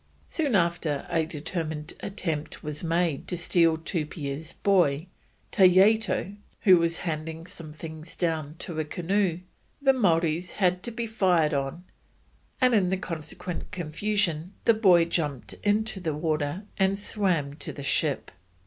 Soon after a determined attempt was made to steal Tupia's boy, Tayeto, who was handing some things down to a canoe; the Maoris had to be fired on, and in the consequent confusion the boy jumped into the water and swam to the ship.